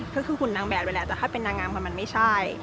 ก็คือหุ่นนางแบบอยู่แล้วแต่ถ้าเป็นนางงามมันไม่ใช่